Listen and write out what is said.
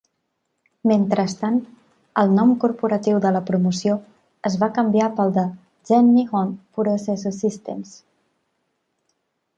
Mentrestant, el nom corporatiu de la promoció es va canviar pel de "Zen Nihon Puroresu Systems".